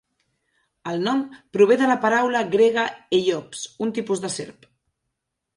El nom prové de la paraula grega ellops, un tipus de serp.